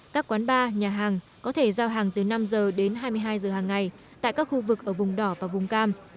các quán bar nhà hàng có thể giao hàng từ năm h đến hai mươi hai giờ hàng ngày tại các khu vực ở vùng đỏ và vùng cam